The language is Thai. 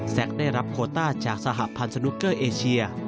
ได้รับโคต้าจากสหพันธ์สนุกเกอร์เอเชีย